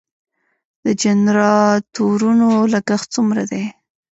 د جنراتورونو لګښت څومره دی؟